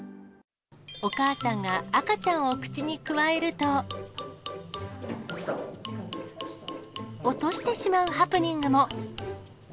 お母さんが赤ちゃんを口にくわえると、落としてしまうハプニングも。